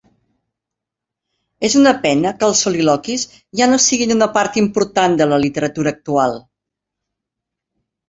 És una pena que els soliloquis ja no siguin una part important de la literatura actual.